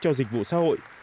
cho dịch vụ xã hội